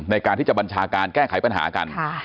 ในการที่จะบัญชาการแก้ไขปัญหากัน